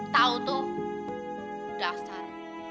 tau tuh dasar